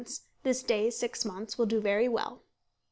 This day six months will do very well."